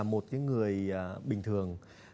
một người bình thường